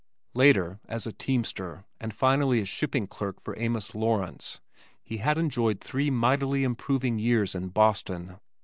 Later, as a teamster, and finally as shipping clerk for Amos Lawrence, he had enjoyed three mightily improving years in Boston.